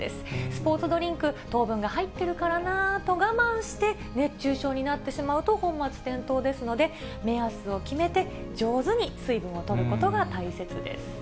スポーツドリンク、糖分が入ってるからなと我慢して、熱中症になってしまうと本末転倒ですので、目安を決めて上手に水分をとることが大切です。